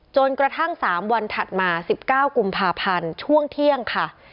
จนกระทั่ง๓วันถัดมา๑๙กุมภาพันธ์ช่วงเที่ยงค่ะ